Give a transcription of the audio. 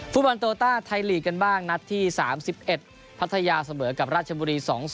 ฟุตบอลโตต้าไทยลีกกันบ้างนัดที่๓๑พัทยาเสมอกับราชบุรี๒๐